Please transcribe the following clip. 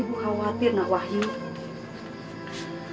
ibu khawatir nak wahyu